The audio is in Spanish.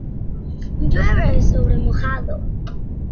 Llueve sobre mojado